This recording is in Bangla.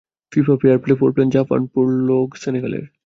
ফিফা ফেয়ার প্লে পয়েন্টে জাপান ভালো অবস্থানে থাকায় কপাল পুড়ল সেনেগালের।